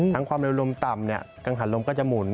ความเร็วลมต่ำกังหันลมก็จะหมุน